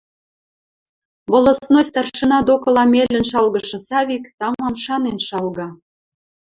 Волостной старшина докыла мелӹн шалгышы Савик тамам шанен шалга.